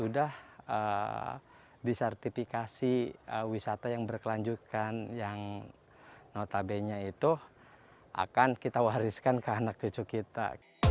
sudah disertifikasi wisata yang berkelanjutan yang notabene itu akan kita wariskan ke anak cucu kita